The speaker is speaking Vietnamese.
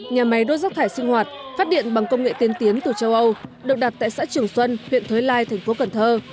nhà máy đốt rác thải sinh hoạt phát điện bằng công nghệ tiên tiến từ châu âu được đặt tại xã trường xuân huyện thới lai thành phố cần thơ